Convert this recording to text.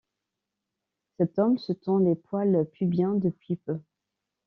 Cet homme se tond les poils pubiens depuis peu.